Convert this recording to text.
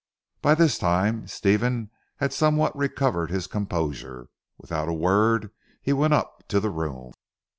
By this time Stephen had somewhat recovered his composure. Without a word he went up to the room.